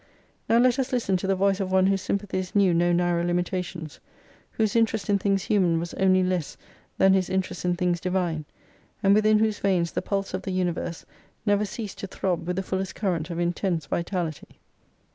Now let us listen to the voice of one whose sympathies knew no narrow limi tations ; whose interest in things human was only less than his interest in things divine ; and within whose veins the pulse of the universe never ceased to throb with the fullest current of intense vitality.